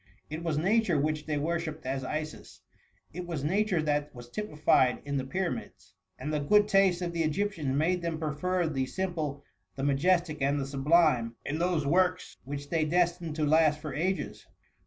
It was Nature which they worshipped as Isis; it was Nature that was typified in the Pyramids: and the good taste of the Egyptians made them prefer the simple, the majestic, and the sublime, in those works which they destined to last for ages.